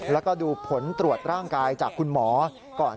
แล้วก็ดูผลตรวจร่างกายจากคุณหมอก่อน